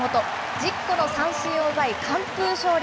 １０個の三振を奪い、完封勝利。